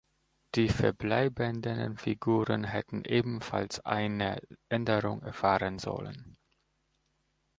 Die verbleibenden Figuren hätten ebenfalls eine Änderung erfahren sollen.